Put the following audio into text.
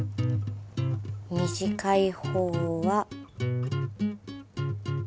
短い方は。